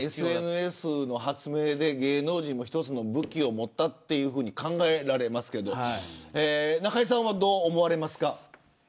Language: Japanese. ＳＮＳの発明で芸能人も一つの武器を持ったと考えられますけど、中居さんはどう思われますか。